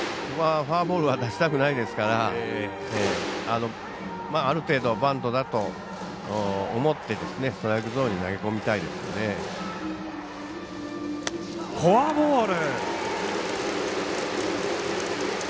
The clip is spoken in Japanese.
フォアボールは出したくないですからある程度、バント思ってストライクゾーンにフォアボール。